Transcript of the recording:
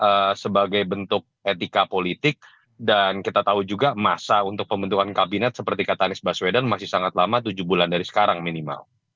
ini sebagai bentuk etika politik dan kita tahu juga masa untuk pembentukan kabinet seperti kata anies baswedan masih sangat lama tujuh bulan dari sekarang minimal